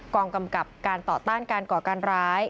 กองกำกับการต่อต้านการก่อการร้าย